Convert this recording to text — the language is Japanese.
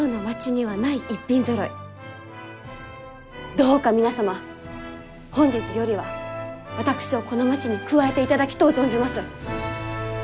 どうか皆様本日よりは私をこの町に加えていただきとう存じます。